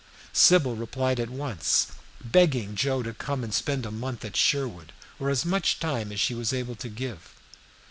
Sybil replied at once, begging Joe to come and spend a month at Sherwood, or as much time as she was able to give.